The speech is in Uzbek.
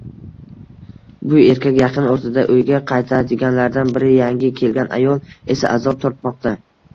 Bu erkak yaqin o`rtada uyiga qaytadiganlardan biri, yangi kelgan ayol esa azob tortmoqda